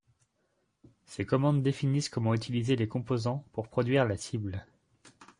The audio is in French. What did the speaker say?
Ces commandes définissent comment utiliser les composants pour produire la cible.